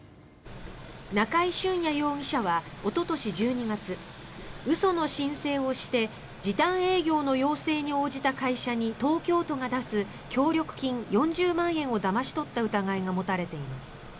中井俊也容疑者はおととし１２月嘘の申請をして時短営業の要請に応じた会社に東京都が出す協力金４０万円をだまし取った疑いが持たれています。